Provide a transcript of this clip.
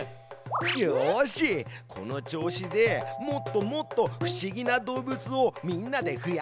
よしこの調子でもっともっと不思議な動物をみんなで増やしてあげようよ。